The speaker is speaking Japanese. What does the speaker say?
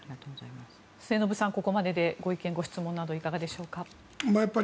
末延さん、ここまででご意見、ご質問などいかがでしょうか。